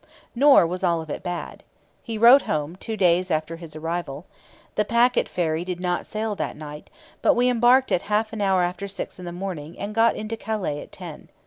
Nor was all of it bad. He wrote home two days after his arrival. The packet [ferry] did not sail that night, but we embarked at half an hour after six in the morning and got into Calais at ten.